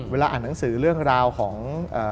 อ่านหนังสือเรื่องราวของ